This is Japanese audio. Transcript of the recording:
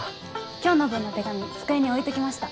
今日の分の手紙机に置いときました。